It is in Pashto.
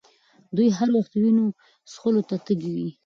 دوی هر وخت وینو څښلو ته تږي وي.